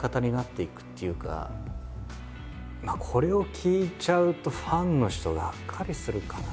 これを聞いちゃうとファンの人がっかりするかな？